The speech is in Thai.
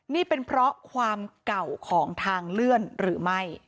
นี่เป็นเพราะความเก่าของทางเลื่อนหรือไม่